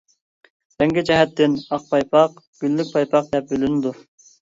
رەڭگى جەھەتتىن ئاق پايپاق، گۈللۈك پايپاق دەپ بۆلىنىدۇ.